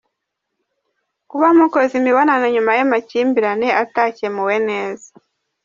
Kuba mukoze imibonano nyuma y’amakimbirane atakemuwe neza .